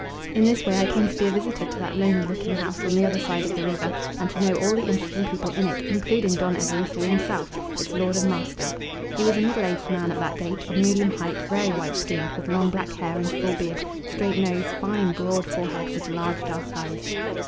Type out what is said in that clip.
In this way I came to be a visitor to that lonely looking house on the other side of the river, and to know all the interesting people in it, including Don Evaristo himself, its lord and master. He was a middle aged man at that date, of medium height, very white skinned, with long black hair and full beard, straight nose, fine broad forehead, with large dark eyes.